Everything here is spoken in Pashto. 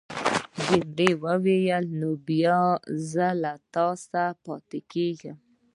جميلې وويل: نو بیا زه له تا سره پاتېږم.